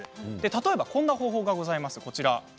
例えばこんな方法があります。